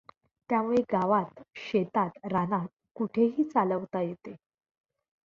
त्यामुळे गावात, शेतात, रानात कुठेहि चालवता येते.